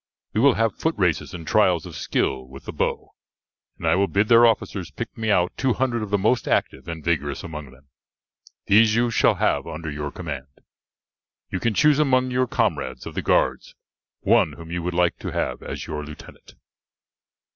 We will have foot races and trials of skill with the bow, and I will bid their officers pick me out two hundred of the most active and vigourous among them; these you shall have under your command. You can choose among your comrades of the guards one whom you would like to have as your lieutenant."